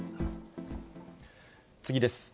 次です。